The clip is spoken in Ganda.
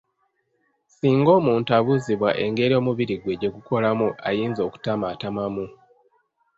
Singa omuntu abuuzibwa engeri omubiri gwe gye gukolamu ayinza okutamattamamu.